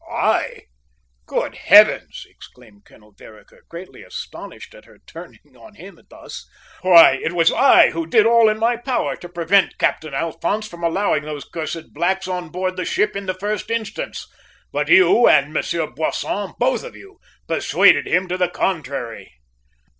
"I? Good Heavens!" exclaimed Colonel Vereker, greatly astonished at her turning on him thus. "Why, it was I who did all in my power to prevent Captain Alphonse from allowing those cursed blacks on board the ship in the first instance, but you and Monsieur Boisson, both of you, persuaded him to the contrary."